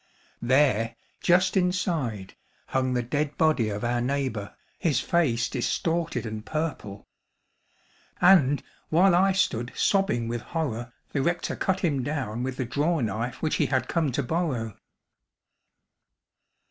There, just inside, hung the dead body of our neighbor, his face distorted and purple. And, while I stood sobbing with horror, the rector cut him down with the draw knife which he had come to borrow.